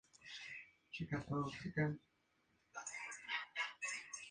Políticamente adhirió a la Unión Cívica Radical Intransigente.